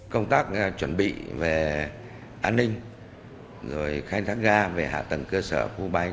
công tác chuẩn bị về an ninh rồi khai thác ga về hạ tầng cơ sở khu bay